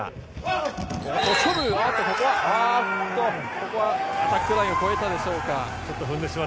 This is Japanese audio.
ここはアタックラインを越えたでしょうか。